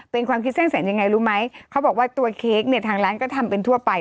เป็นความคิดสร้างสรรค์ยังไงรู้ไหมเขาบอกว่าตัวเค้กเนี่ยทางร้านก็ทำเป็นทั่วไป